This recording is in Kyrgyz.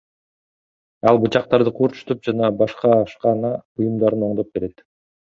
Ал бычактарды куурчутуп жана башка ашкана буюмдарын оңдоп берет.